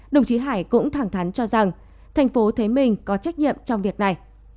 đồng chí hải cũng thẳng thắn cho rằng thành phố thấy mình có trách nhiệm trong việc này